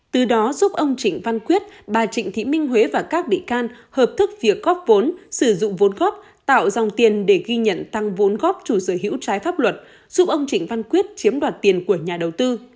từ đó giúp ông trịnh văn quyết bà trịnh thị minh huế và các bị can hợp thức việc góp vốn sử dụng vốn góp tạo dòng tiền để ghi nhận tăng vốn góp chủ sở hữu trái pháp luật giúp ông trịnh văn quyết chiếm đoạt tiền của nhà đầu tư